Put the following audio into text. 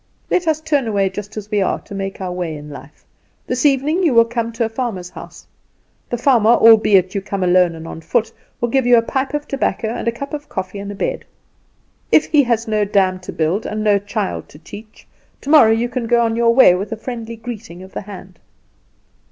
Let us turn away just as we are, to make our way in life. This evening you will come to a farmer's house. The farmer, albeit you come alone on foot, will give you a pipe of tobacco and a cup of coffee and a bed. If he has no dam to build and no child to teach, tomorrow you can go on your way, with a friendly greeting of the hand.